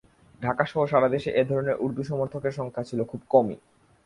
ঢাকাসহ সারা দেশে এ ধরনের উর্দু সমর্থকের সংখ্যা ছিল খুব কমই।